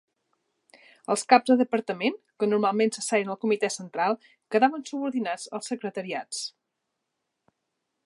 Els caps de departament, que normalment s'asseien al Comitè Central, quedaven subordinats als secretariats.